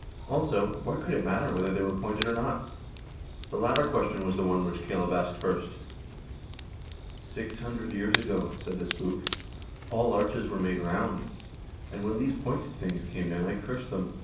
Also, what could it matter whether they were pointed or not ? The latter question was the one which Caleb asked first. " Six hundred years ago," said the spook, "all arches were made round, and when these pointed things came in I cursed them.